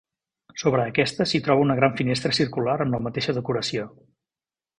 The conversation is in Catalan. Sobre aquesta s'hi troba una gran finestra circular amb la mateixa decoració.